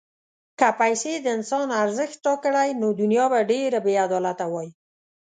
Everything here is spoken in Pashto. که پیسې د انسان ارزښت ټاکلی، نو دنیا به ډېره بېعدالته وای.